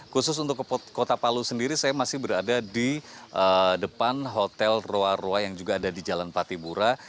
khusus untuk kota palu sendiri saya masih berada di depan hotel roa roa yang juga ada di jalan patimura